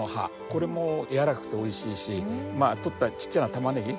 これも柔らかくておいしいしまあとったちっちゃなタマネギ